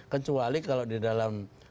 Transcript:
kecuali kalau di dalam